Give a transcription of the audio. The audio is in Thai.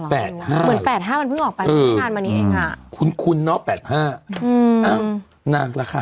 แปดห้าเหรอเหมือนแปดห้ามันเพิ่งออกไปไม่นานมานี้เองค่ะคุ้นคุ้นเนอะแปดห้าอืมนั่งแล้วค่ะ